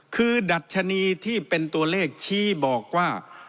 คือดัชนีที่เป็นตัวเลขชี้บอกว่า